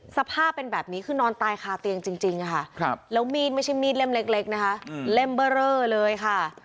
สภาพเป็นแบบนี้คือนอนตายคาเตียงจริงค่ะแล้วมีดไม่ใช่มีดเล่มเล็กนะคะเล่มเบอร์เรอเลยค่ะ